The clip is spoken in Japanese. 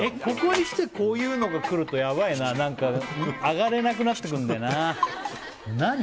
ここにきてこういうのが来るとやばいな何か上がれなくなってくんだよな何？